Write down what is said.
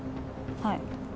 はい。